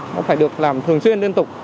nó phải được làm thường xuyên liên tục